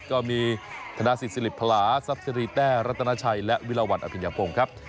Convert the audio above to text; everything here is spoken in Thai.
ก็มีธนาศิษฐฤพลาซับซีริแต้รัตนาชัยและวิลวัตน์อภิกษาโพงครับ